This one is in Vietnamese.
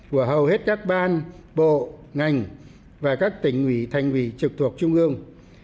của hầu hết các ban bộ ngành và các tỉnh ủy thành ủy trực thuộc trung ương